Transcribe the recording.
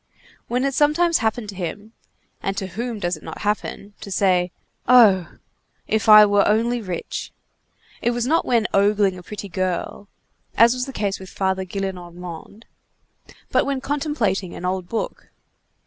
When it sometimes happened to him—and to whom does it not happen?—to say: "Oh! if I were only rich!" it was not when ogling a pretty girl, as was the case with Father Gillenormand, but when contemplating an old book.